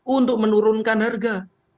untuk menurunkan harga